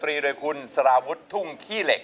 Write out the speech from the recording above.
ร้องเข้าให้เร็ว